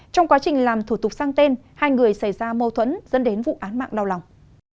trong quá trình làm thủ tục sang tên hai người xảy ra mâu thuẫn dẫn đến vụ án mạng đau lòng